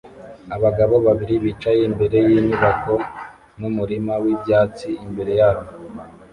Abagabo babiri bicaye imbere yinyubako n'umurima w'ibyatsi imbere yabo